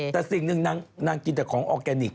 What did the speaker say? แต่สิ่งหนึ่งนางกินแต่ของออร์แกนิค